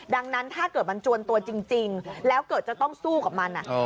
ดังนั่นถ้าเกิดมันจวนตัวจริงแล้วจะสู้กับหมอล็อตเนี่ย